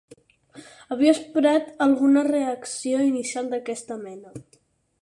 Havia esperat alguna reacció inicial d'aquesta mena.